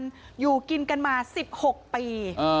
โดยอยู่กินกันมาสิบหกปี